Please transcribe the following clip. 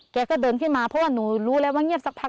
แกก็เดินขึ้นมาเพราะว่าหนูรู้แล้วว่าเงียบสักพัก